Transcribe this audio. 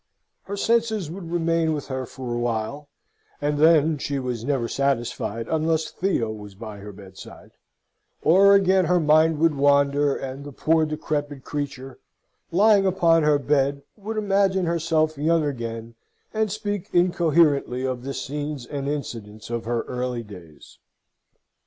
Her senses would remain with her for a while (and then she was never satisfied unless Theo was by her bedside), or again her mind would wander, and the poor decrepit creature, lying upon her bed, would imagine herself young again, and speak incoherently of the scenes and incidents of her early days.